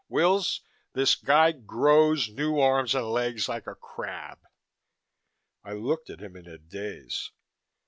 Wills, this guy grows new arms and legs like a crab!" I looked at him in a daze.